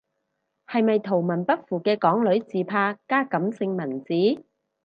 係咪圖文不符嘅港女自拍加感性文字？